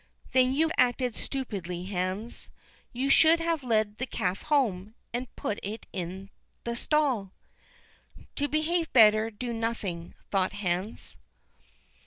"Then you acted stupidly, Hans; you should have led the calf home, and put it in the stall." "To behave better, do nothing," thought Hans.